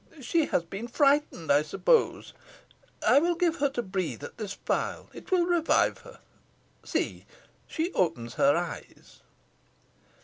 She has been frightened, I suppose. I will give her to breathe at this phial. It will revive her. See, she opens her eyes."